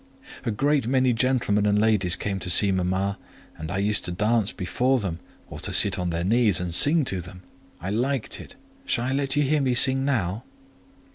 A great many gentlemen and ladies came to see mama, and I used to dance before them, or to sit on their knees and sing to them: I liked it. Shall I let you hear me sing now?"